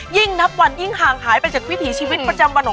ยิ่งนับวันยิ่งห่างหายไปจากวิถีชีวิตประจำวันของ